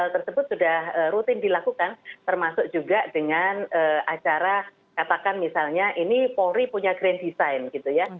hal tersebut sudah rutin dilakukan termasuk juga dengan acara katakan misalnya ini polri punya grand design gitu ya